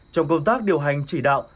trong công tác điều hành chỉ đạo